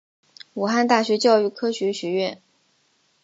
武汉大学教育科学学院